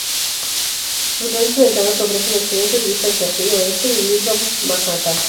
Sus grandes ventanas ofrecen excelentes vistas del río Este y Midtown Manhattan.